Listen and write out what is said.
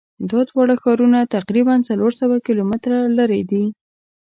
دا دواړه ښارونه تقریبآ څلور سوه کیلومتره لری دي.